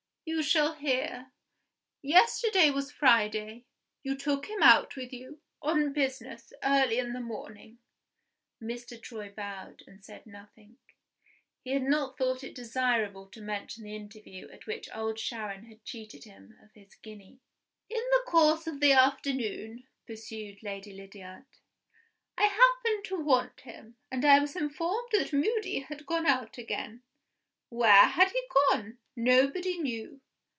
"You shall hear. Yesterday was Friday. You took him out with you, on business, early in the morning." Mr. Troy bowed, and said nothing. He had not thought it desirable to mention the interview at which Old Sharon had cheated him of his guinea. "In the course of the afternoon," pursued Lady Lydiard, "I happened to want him, and I was informed that Moody had gone out again. Where had he gone? Nobody knew.